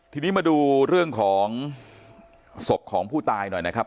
ทีนี้มาดูเรื่องของศพของผู้ตายหน่อยนะครับ